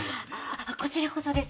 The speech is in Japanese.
こちらこそです。